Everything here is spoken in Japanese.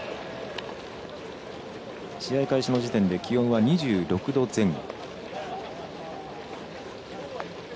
試合開始の時点で気温は２６度前後。